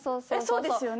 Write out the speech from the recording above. そうですよね？